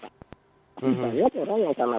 banyak orang yang karena